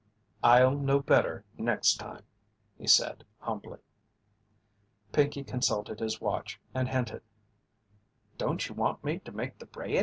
"I'll know better next time," he said, humbly. Pinkey consulted his watch and hinted: "Don't you want me to make the bread?"